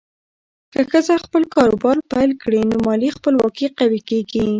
که ښځه خپل کاروبار پیل کړي، نو مالي خپلواکي قوي کېږي.